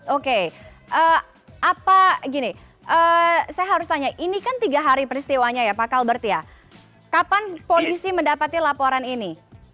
oke apa gini saya harus tanya ini kan tiga hari peristiwanya ya pak kalbert ya kapan polisi mendapati laporan ini